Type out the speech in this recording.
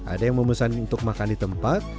ada yang memesan untuk makan di tempat